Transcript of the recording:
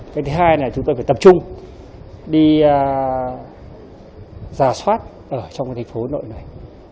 cái thứ hai là chúng tôi phải tập trung đi giả soát ở trong cái thành phố nội này